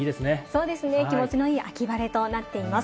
そうですね、気持ちのいい秋晴れとなっています。